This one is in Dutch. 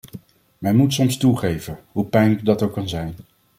Men moet soms toegeven, hoe pijnlijk dat ook kan zijn.